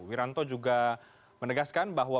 wiranto juga menegaskan bahwa